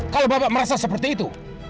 kalau bapak merasa seperti itu